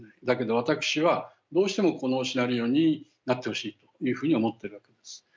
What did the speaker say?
だけど私は、どうしてもこのシナリオになってほしいというふうに思ってるわけです。